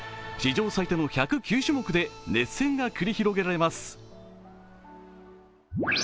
史上最多の１０９種目で熱戦が繰り広げられます。